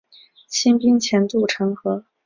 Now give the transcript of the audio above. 清兵潜渡城河。